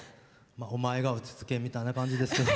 お前が落ち着けみたいな感じですけど。